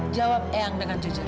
jawab eang dengan jujur